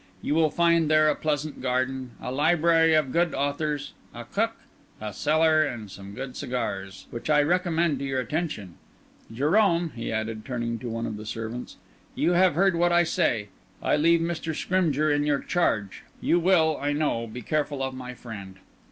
You will find there a pleasant garden, a library of good authors, a cook, a cellar, and some good cigars, which I recommend to your attention. Jérome," he added, turning to one of the servants, "you have heard what I say; I leave Mr. Scrymgeour in your charge; you will, I know, be careful of my friend."